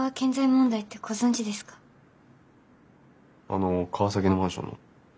あの川崎のマンションの？